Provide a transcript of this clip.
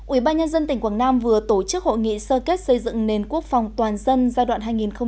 ubnd tp quảng nam vừa tổ chức hội nghị sơ kết xây dựng nền quốc phòng toàn dân giai đoạn hai nghìn chín hai nghìn một mươi chín